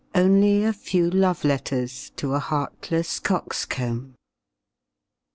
Only a few love letters to a heartless coxcomb.